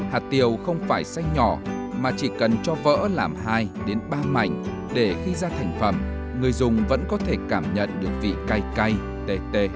hạt tiêu không phải xanh nhỏ mà chỉ cần cho vỡ làm hai ba mảnh để khi ra thành phẩm người dùng vẫn có thể cảm nhận được vị cay cay tê tê